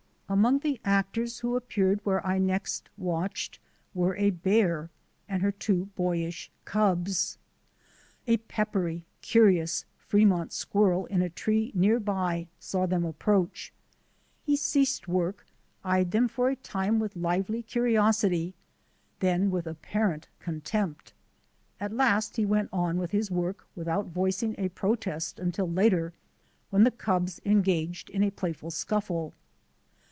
Among the actors who appeared where I next watched were a bear and her two boyish cubs. A peppery, curious Fremont squirrel in a tree near by saw them approach. He ceased work, eyed them for a time with lively curiosity then with ap parent contempt. At last he went on with his work without voicing a protest until later, when the cubs engaged in a playful scuffle.